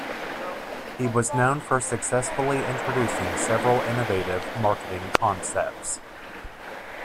He was known for successfully introducing several innovative marketing concepts.